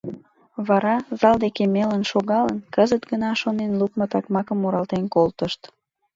Вара, зал деке мелын шогалын, кызыт гына шонен лукмо такмакым муралтен колтышт: